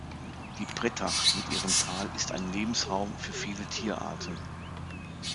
Die Brettach mit ihrem Tal ist ein Lebensraum für viele Tierarten.